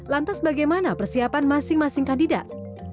lantas bagaimana persiapan masing masing kandidat